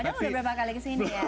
padahal udah berapa kali kesini ya